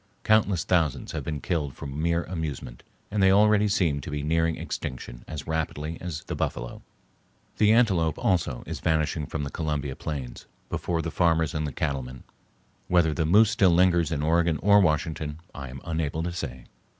Countless thousands have been killed for mere amusement and they already seem to be nearing extinction as rapidly as the buffalo. The antelope also is vanishing from the Columbia plains before the farmers and cattlemen. Whether the moose still lingers in Oregon or Washington I am unable to say.